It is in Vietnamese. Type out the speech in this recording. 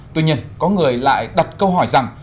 tuy nhiên có người lại đặt câu hỏi rằng